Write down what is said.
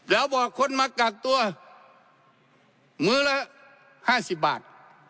แล้วบอกคนมากกากตัวมือละห้าสิบบาท